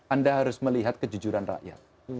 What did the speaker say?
anda harus melihat kejujuran rakyat